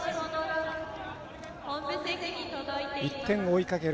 １点を追いかける